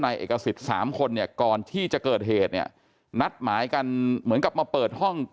เอกสิทธิ์สามคนเนี่ยก่อนที่จะเกิดเหตุเนี่ยนัดหมายกันเหมือนกับมาเปิดห้อง